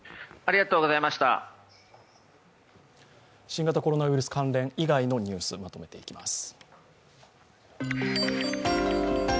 新型コロナウイルス関連以外のニュース、まとめていきます。